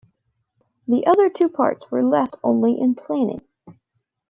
The other two parts were left only in planning.